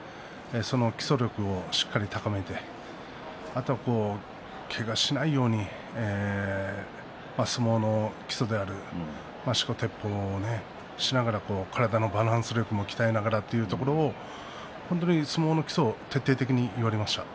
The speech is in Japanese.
基礎力をしっかりと高めてあとは、けがをしないように相撲の基礎であるしこ、てっぽうをしながら体のバランス力を鍛えながらというところを相撲の基礎を徹底的に言われました。